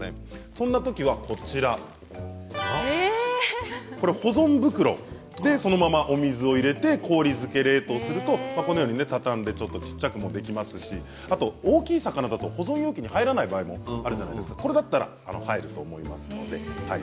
そんなときは保存袋でそのままお水を入れて氷漬け冷凍するとこのように畳んで小さくもできますし大きい魚は保存容器に入らない場合がありますがこれだったら入ると思います。